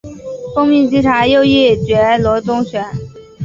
奉命稽查右翼觉罗宗学。